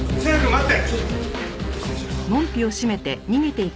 待って！